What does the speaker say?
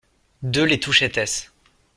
deux les Touchettès